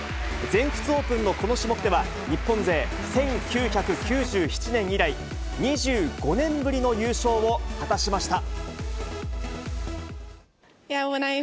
全仏オープンのこの種目では、日本勢１９９７年以来２５年ぶりの優勝を果たしました。